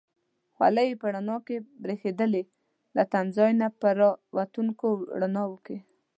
خولۍ یې په رڼا کې برېښېدلې، له تمځای نه په را وتونکو رڼاوو کې.